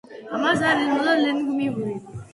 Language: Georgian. ამას არ ელოდა ლენგმიური.